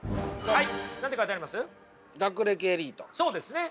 はい。